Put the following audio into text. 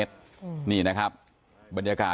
ฐานพระพุทธรูปทองคำ